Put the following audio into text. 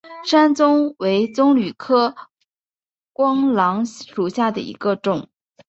山棕为棕榈科桄榔属下的一个种。